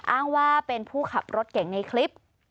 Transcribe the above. อ้างว่าเป็นผู้ขับรถเก่งในคลิป